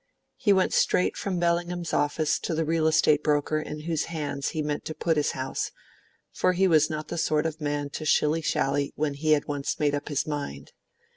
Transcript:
He went straight from Bellingham's office to the real estate broker in whose hands he meant to put his house, for he was not the sort of man to shilly shally when he had once made up his mind.